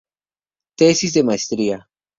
Tesis de maestría.